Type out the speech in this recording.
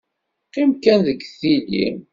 Qqim kan deg tili.